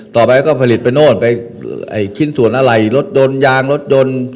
ต่อไปก็ผลิตไปโน่นไปไอ้ชิ้นส่วนอะไรรถยนต์ยางรถยนต์